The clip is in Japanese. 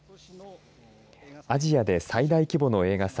アジアで最大規模の映画祭